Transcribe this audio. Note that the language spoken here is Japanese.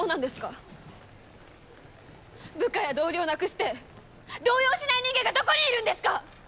部下や同僚を亡くして動揺しない人間がどこにいるんですか！